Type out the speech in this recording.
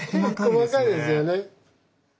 細かいですよね。